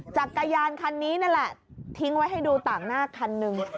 จักรยานคันนี้นั่นแหละทิ้งไว้ให้ดูต่างหน้าคันหนึ่ง